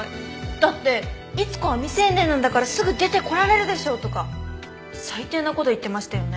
だって「逸子は未成年なんだからすぐ出てこられるでしょ」とか最低な事言ってましたよね。